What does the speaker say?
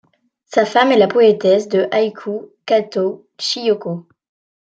Sa femme est la poétesse de haiku Katō Chiyoko.